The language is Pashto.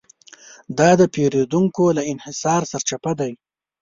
دا د پېریدونکو له انحصار سرچپه دی.